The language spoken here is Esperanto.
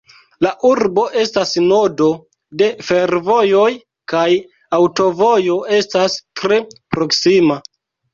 La urbo estas nodo de fervojoj kaj aŭtovojo estas tre proksima.